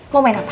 mau main apa